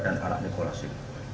dan anak nikolasin